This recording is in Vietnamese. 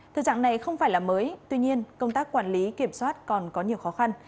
thực trạng này không phải là mới tuy nhiên công tác quản lý kiểm soát còn có nhiều khó khăn